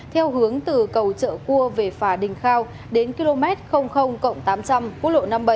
theo hướng từ cầu trợ cua về phà đình khao đến km tám trăm linh quốc lộ năm mươi bảy